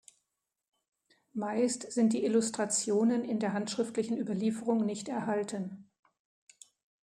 Meist sind die Illustrationen in der handschriftlichen Überlieferung nicht erhalten.